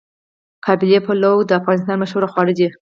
قابلي پلو د افغانستان مشهور خواړه دي.